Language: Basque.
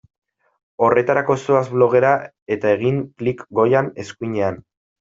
Horretarako zoaz blogera eta egin klik goian eskuinean.